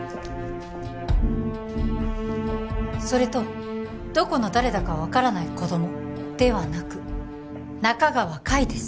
それとどこの誰だか分からない子どもではなく仲川海です